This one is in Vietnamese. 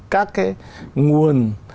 các cái nguồn